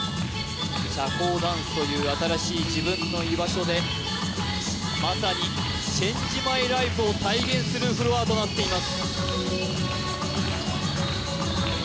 社交ダンスという新しい自分の居場所でまさにチェンジ・マイ・ライフを体現するフロアとなっています